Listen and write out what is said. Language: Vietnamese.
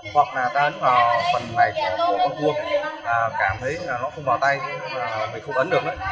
hoặc là ta ấn vào phần này của con cua cảm thấy nó không vào tay mình không ấn được